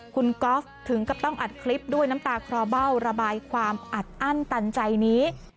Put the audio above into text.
คุณก๊อฟถึงกับต้องอัดคลิปด้วยน้ำตาคลอเบ้าระบายความอัดอั้นตันใจนี้